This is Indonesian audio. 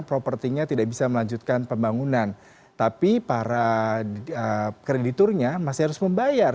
propertinya tidak bisa melanjutkan pembangunan tapi para krediturnya masih harus membayar